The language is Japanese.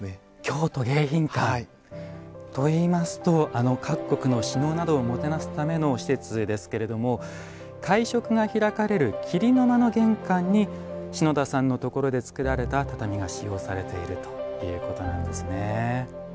といいますと各国の首脳などをもてなすための施設ですけれども会食が開かれる「桐の間」の玄関に篠田さんのところで作られた畳が使用されているということなんですね。